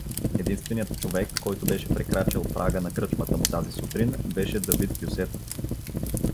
Единственият човек, който беше прекрачил прага на кръчмата му тази сутрин, беше Давид Кьосето.